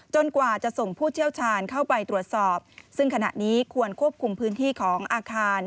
กว่าจะส่งผู้เชี่ยวชาญเข้าไปตรวจสอบซึ่งขณะนี้ควรควบคุมพื้นที่ของอาคาร